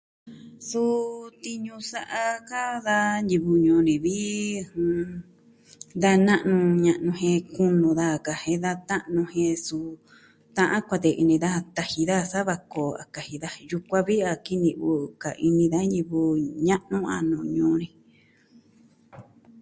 Suu, tiñu sa'a ka da ñivɨ ñuu ni vi, da na'nu ña'nu jen kunu daja ka jeen da ta'nu jen ta'an kuatee ini daja taji daja sa va koo a kaji daja, yukuan vi a kini'vɨ ini ka ini da ñivɨ ña'nu a nuu ñuu ni.